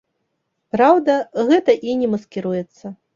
Праўда, гэта і не маскіруецца.